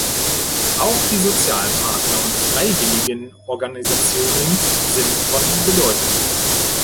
Auch die Sozialpartner und Freiwilligen-Organisationen sind von Bedeutung.